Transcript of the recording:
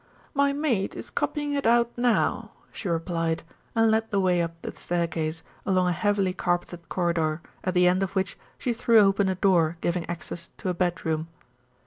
"My maid is copying it out now," she replied, and led the way up the staircase, along a heavily carpeted corridor, at the end of which she threw open a door giving access to a bedroom.